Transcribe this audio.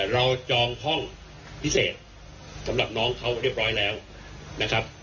จองห้องพิเศษสำหรับน้องเขาเรียบร้อยแล้วนะครับ